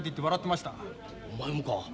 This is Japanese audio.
お前もか？